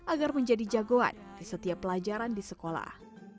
agar menjadi jagoan di setiap pelajaran di sekolah